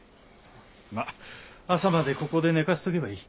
まあ朝までここで寝かせておけばいい。